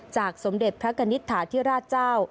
จากสมเด็จพระกณิษฐาที่ราชเจ้า